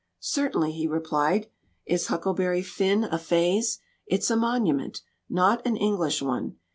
"Certainly," he replied. "Is Huckleberry Finn a phase? It's a monument; not an English one.